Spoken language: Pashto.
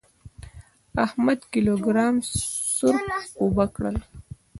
احمد کيلو ګرام سروپ اوبه کړل.